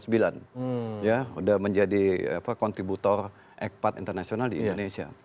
sudah menjadi kontributor ekpat internasional di indonesia